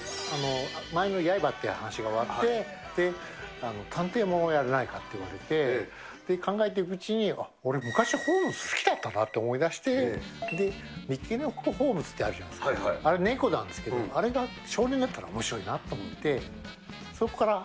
前のヤイバって話が終わって、探偵ものをやらないかって言われて、考えているうちに、あっ、俺、昔ホームズ好きだったなって思い出して、三毛猫ホームズってあるじゃないですか、あれ猫なんですけども、あれが少年だったらおもしろいなって思って、そこから。